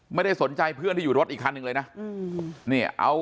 ไม่ได้สนใจเพื่อนที่อยู่รถอีกคันหนึ่งเลยนะ